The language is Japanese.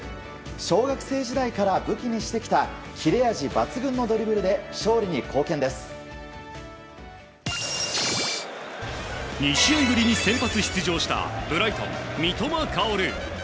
小学生時代から武器にしてきた切れ味抜群のドリブルで２試合ぶりに先発出場したブライトン、三笘薫。